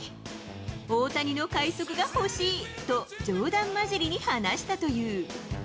大谷の快速が欲しいと冗談交じりに話したという。